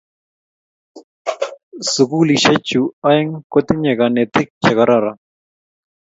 Sukulisyek chu aeng' kotinye kanetik che kororon.